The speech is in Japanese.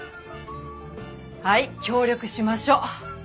はい協力しましょう。